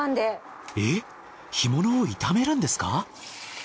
えっ干物を炒めるんですか！？